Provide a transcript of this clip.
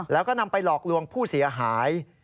แล้วก็นำไปหลอกลวงผู้เสียหาย